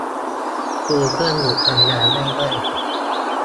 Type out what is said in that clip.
กูเกิลหยุดทำงานเรื่อยเรื่อย